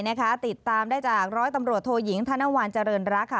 ติดตามได้จากร้อยตำรวจโทยิงธนวัลเจริญรักค่ะ